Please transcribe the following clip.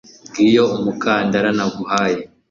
ngiyo umukandara naguhaye